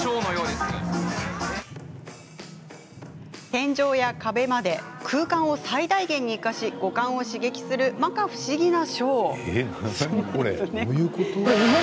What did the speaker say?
天井や壁まで空間を最大限に生かし五感を刺激するまか不思議なショー。